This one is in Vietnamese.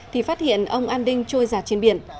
thì phát hiện ông anding trôi giảt trên biển